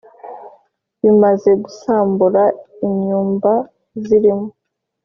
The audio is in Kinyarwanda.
Bimaze gusambura inyumba zirimo